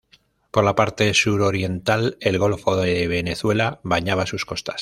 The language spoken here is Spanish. Por la parte suroriental el Golfo de Venezuela bañaba sus costas.